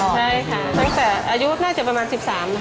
ใช่ค่ะตั้งแต่อายุน่าจะประมาณ๑๓ค่ะ